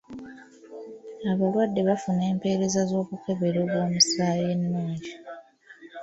Abalwadde bafuna empereza z'okukeberebwa omusaayi ennungi.